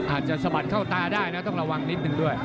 สะบัดเข้าตาได้นะต้องระวังนิดนึงด้วย